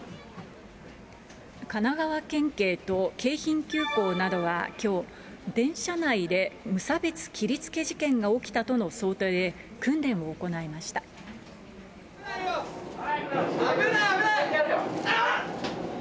神奈川県警と京浜急行などはきょう、電車内で無差別切りつけ事件が起きたとの想定で、訓練を行いまし危ない、危ない。